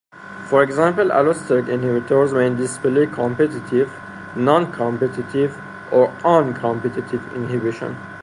For example, allosteric inhibitors may display competitive, non-competitive, or uncompetitive inhibition.